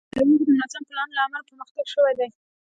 په تایوان کې د منظم پلان له امله پرمختګ شوی دی.